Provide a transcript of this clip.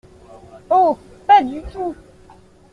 Oh ! pas du tout !